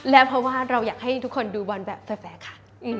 แล้วเพราะว่าเราอยากให้ทุกคนดูบอลแบบแฟร์ค่ะ